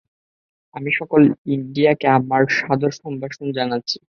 আমি সকল ইন্ডিয়ানকে আমার সাদর সম্ভাষণ জানাচ্ছি।